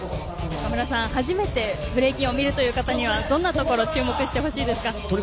岡村さん、初めてブレイキンを見るという方にはどんなところに注目してほしいですか。